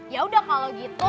ya udah kalau gitu